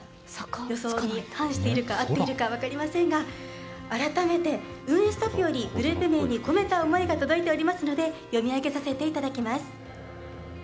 予想に反しているか合っているか分かりませんがグループ名に込めた思いが届いておりますので読み上げさせていただきます。